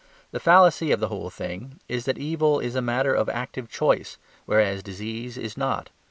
The fallacy of the whole thing is that evil is a matter of active choice whereas disease is not.